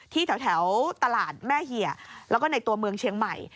แถวตลาดแม่เหี่ยแล้วก็ในตัวเมืองเชียงใหม่